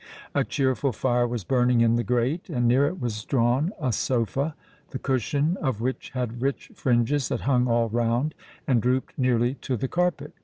A cheerful fire was burning in the grate; and near it was drawn a sofa, the cushion of which had rich fringes that hung all round, and drooped nearly to the carpet.